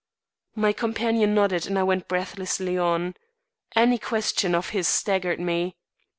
My companion nodded and I went breathlessly on. Any question of his staggered me.